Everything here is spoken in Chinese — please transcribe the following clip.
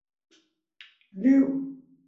临时观光列车四万小火车停靠站。